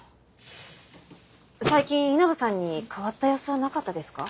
最近稲葉さんに変わった様子はなかったですか？